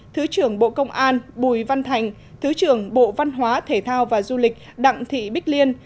thứ trưởng bộ công an bùi văn thành thứ trưởng bộ văn hóa thể thao và du lịch đặng thị bích liên